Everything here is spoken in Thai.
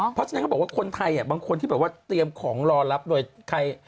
เพราะฉะนั้นเขาบอกว่าคนไทยบางคนที่แบบว่าเตรียมของรอรับโดยใคร